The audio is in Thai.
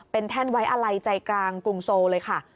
เป็นแท่นไว้อะไรใจกลางกรุงโซเลยค่ะ